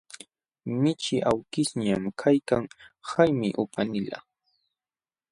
Michii awkishñam kaykan, haymi upanilaq.